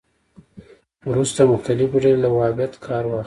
وروسته مختلفې ډلې له وهابیت کار واخلي